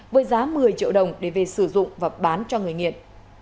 với giá một mươi triệu đồng để về sử dụng và bán cho người nghiện